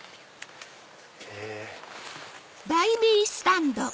へぇ。